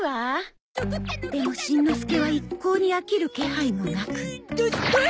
でもしんのすけは一向に飽きる気配もなく